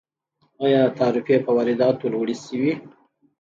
آیا تعرفې په وارداتو لوړې شوي؟